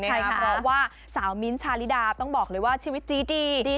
เพราะว่าสาวมิ้นท์ชาลิดาต้องบอกเลยว่าชีวิตจี้ดี